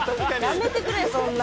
やめてくれそんな。